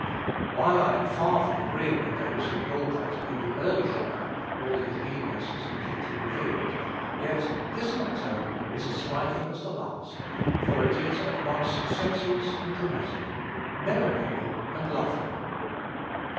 While I am far from agreeing with those who hold that in the early Chopin all his genius was completely revealed, yet this nocturne is as striking as the last, for it is at once sensuous and dramatic, melancholy and lovely.